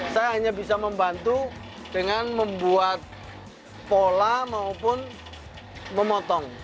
saya hanya bisa membantu dengan membuat pola maupun memotong